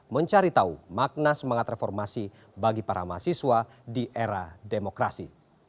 mencari tahu makna semangat reformasi bagi para mahasiswa di era demokrasi